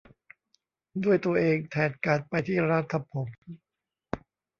ด้วยตัวเองแทนการไปทำที่ร้านทำผม